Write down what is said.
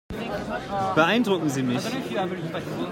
Beeindrucken Sie mich.